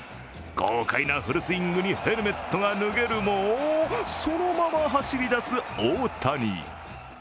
豪快なフルスイングにヘルメットが脱げるもそのまま走りだす大谷。